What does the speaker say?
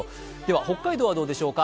北海道はどうでしょうか。